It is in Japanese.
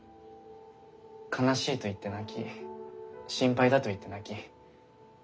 悲しいと言って泣き心配だと言って泣き